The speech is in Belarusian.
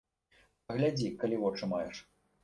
Паглядзі, калі вочы маеш.